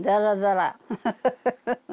フフフフ。